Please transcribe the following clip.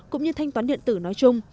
cũng như thanh toán điện tử nói chung